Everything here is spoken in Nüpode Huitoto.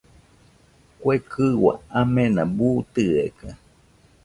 Kue kɨua amena buu tɨeka.